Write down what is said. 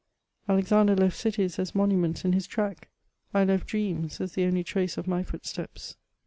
Alexander left cities as monuments in his track ; I left dreams as the only trace of my footsteps.